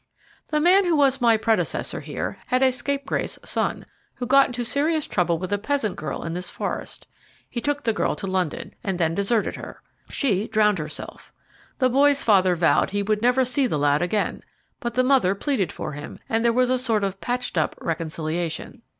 "The man who was my predecessor here had a scapegrace son, who got into serious trouble with a peasant girl in this forest. He took the girl to London, and then deserted her. She drowned herself. The boy's father vowed he would never see the lad again, but the mother pleaded for him, and there was a sort of patched up reconciliation.